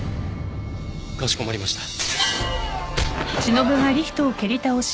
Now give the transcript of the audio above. かしこまりました。